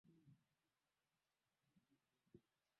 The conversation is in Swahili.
kujadili na mataifa mengine mpango wake wa kurutubisha